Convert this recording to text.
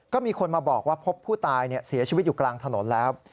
ก็มีคนมาบอกว่าพบผู้ตายเสียชีวิตอยู่กลางถนนแล้ว